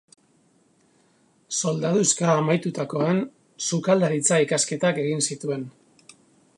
Soldaduska amaitutakoan, sukaldaritza ikasketak egin zituen.